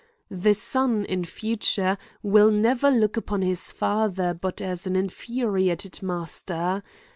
The son, in future, will ne ver look upon his father but as an infuriated mas ter.